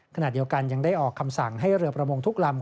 ขณะเดียวกันยังได้ออกคำสั่งให้เรือประมงทุกลำ